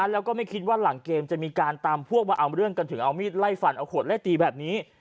แล้วก็ไม่คิดว่าหลังเกมจะมีการตามพวกมาเอาเรื่องกันถึงเอามีดไล่ฟันเอาขวดไล่ตีแบบนี้